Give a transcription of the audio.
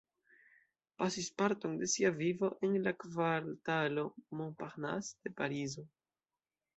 Pasis parton de sia vivo en la kvartalo Montparnasse de Parizo.